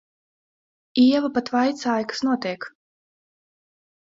Ieva pat vaicāja, kas notiek.